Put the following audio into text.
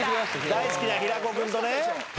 大好きな平子君とね。